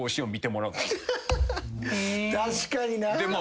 確かにな。